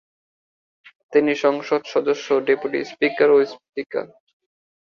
তিনি ছিলেন সংসদ সদস্য, ডেপুটি স্পীকার ও স্পীকার।